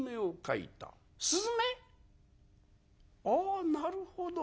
あなるほど。